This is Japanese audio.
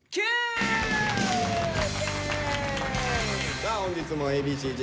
さあ本日もＡ．Ｂ．Ｃ−Ｚ